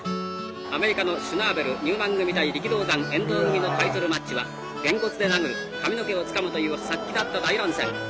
「アメリカのシュナーベルニューマン組対力道山遠藤組のタイトルマッチはげんこつで殴る髪の毛をつかむという殺気だった大乱戦」。